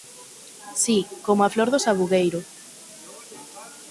Si, como a flor do sabugueiro.